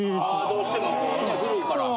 どうしてもこうね古いから。